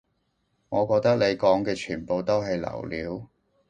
我覺得你講嘅全部都係流料